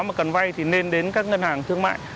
mà cần vay thì nên đến các ngân hàng thương mại